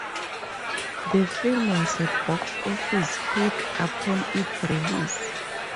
The film was a box office hit upon its release.